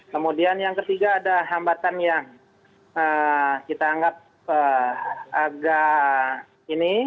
kemudian yang ketiga ada hambatan yang kita anggap agak ini